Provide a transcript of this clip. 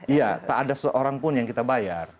iya tak ada seorang pun yang kita bayar